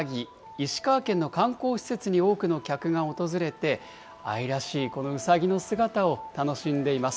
石川県の観光施設に多くの客が訪れて、愛らしいこのうさぎの姿を楽しんでいます。